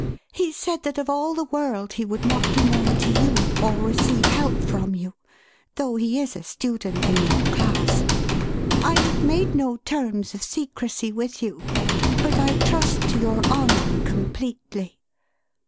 He said that of all the world he would not be known to you, or receive help from you — though he is a student in your class. I have made no terms of secrecy with you, but I trust to your honour completely.""